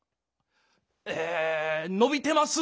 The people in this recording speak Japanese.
え伸びてます。